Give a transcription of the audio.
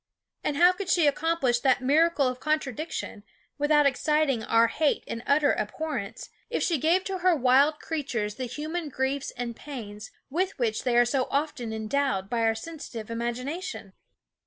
And how could she accom plish that miracle of contradiction without exciting our hate and utter abhorrence, if she gave to her wild creatures the human griefs and pains with which they are so often endowed by our sensitive imagination?